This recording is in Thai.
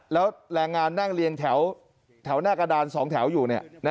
แล้วแรงงานนั่งเรียงแถวหน้ากระดาน๒แถวอยู่